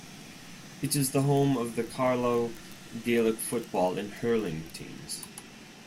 It is the home of the Carlow Gaelic football and hurling teams.